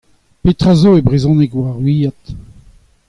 Petra zo e brezhoneg war ar Gwiad ?